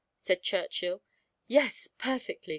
said Churchill. "Yes, perfectly!"